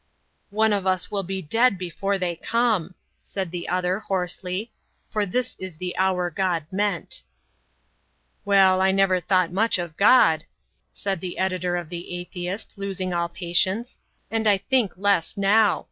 "One of us will be dead before they come," said the other, hoarsely, "for this is the hour God meant." "Well, I never thought much of God," said the editor of The Atheist, losing all patience. "And I think less now.